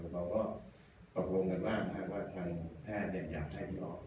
แล้วก็ประพงงท์กันมาฮะเพื่อฉันแผนเนี่ยอยากให้พี่ออฟ